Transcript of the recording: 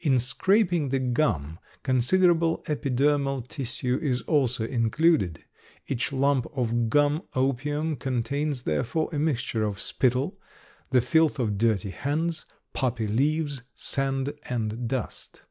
In scraping the gum considerable epidermal tissue is also included. Each lump of gum opium contains therefore a mixture of spittle, the filth of dirty hands, poppy leaves, sand, and dust.